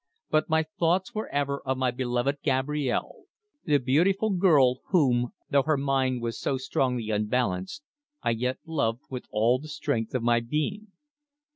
But my thoughts were ever of my beloved Gabrielle, the beautiful girl whom, though her mind was so strongly unbalanced, I yet loved with all the strength of my being.